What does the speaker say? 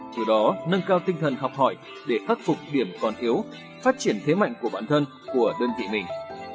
từ đó nâng cao tinh thần học hỏi để khắc phục điểm còn thiếu phát triển thế mạnh của bản thân của đơn vị mình